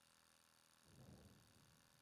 En dicha región, un estadio recibió su nombre.